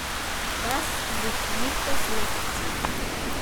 Was sich liebt, das neckt sich.